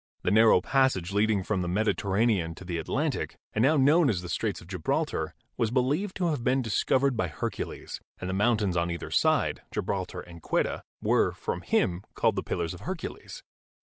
The narrow passage leading from the Mediterranean to the Atlantic, and now known as the Straits of Gibraltar, was believed to have been discovered by Hercules, and the mountains on either side — Gibraltar and Ceuta — were, from him, called the Pillars of Hercules.